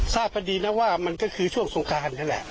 ทราบกันดีนะว่ามันก็คือช่วงสงการนั่นแหละ